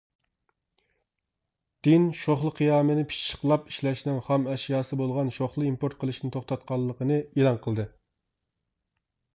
دىن شوخلا قىيامىنى پىششىقلاپ ئىشلەشنىڭ خام ئەشياسى بولغان شوخلا ئىمپورت قىلىشنى توختاتقانلىقىنى ئېلان قىلدى.